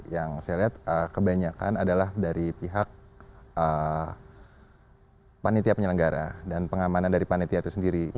yang saya lihat kebanyakan adalah dari pihak panitia penyelenggara dan pengamanan dari panitia itu sendiri